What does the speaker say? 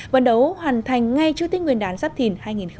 vận đấu hoàn thành ngay trước tích nguyên đán giáp thìn hai nghìn hai mươi bốn